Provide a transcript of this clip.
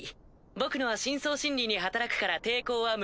僕のは深層心理に働くから抵抗は無駄だよ。